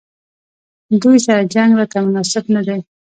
دوی سره جنګ راته مناسب نه دی.